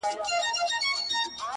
• گرا ني خبري سوې پرې نه پوهېږم ـ